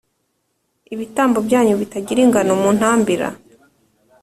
Ibitambo byanyu bitagira ingano muntambira